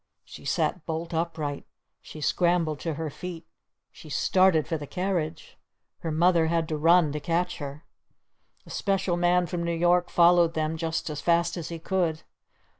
_" She sat bolt upright! She scrambled to her feet! She started for the carriage! Her Mother had to run to catch her. The Special Man from New York followed them just as fast as he could.